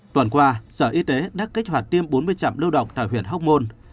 tuần qua sở y tế đã kế hoạch tiêm bốn mươi trạm lưu động tại huyện hóc môn